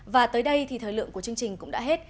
và tới đây thì thời lượng của chương trình cũng đã hết